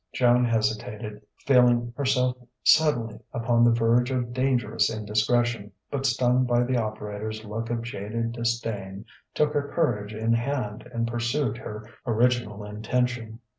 Joan hesitated, feeling herself suddenly upon the verge of dangerous indiscretion, but stung by the operator's look of jaded disdain, took her courage in hand and pursued her original intention.